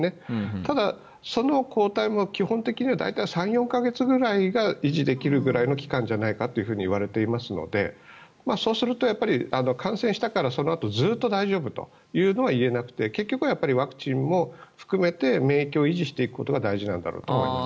ただ、その抗体も基本的には大体３４か月ぐらいが維持できるくらいの期間じゃないかといわれてますのでそうすると感染したからそのあとずっと大丈夫というのはいえなくて結局はワクチンも含めて免疫を維持していくことが大事なんだと思います。